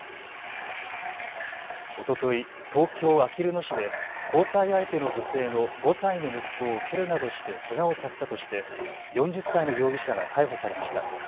おととい、東京あきる野市で交際相手の女性の５歳の息子を蹴るなどしてけがをさせたとして４０歳の容疑者が逮捕されました。